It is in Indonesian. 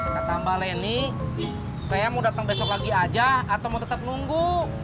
kata mbak leni saya mau datang besok lagi aja atau mau tetap nunggu